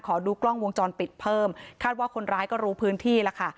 ดูกล้องวงจรปิดเพิ่มคาดว่าคนร้ายก็รู้พื้นที่แล้วค่ะ